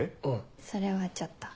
それはちょっと。